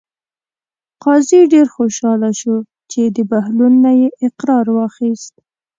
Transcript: قاضي ډېر خوشحاله شو چې د بهلول نه یې اقرار واخیست.